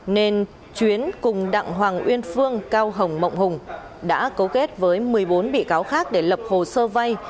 nên chuyến cùng đặng hoàng uyên phương cao hồng mộng hùng đã cấu kết với một mươi bốn bị cáo khác để lập hồ sơ vay